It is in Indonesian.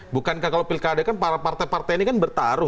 bukankah kalau pilkada kan partai partai ini kan bertarung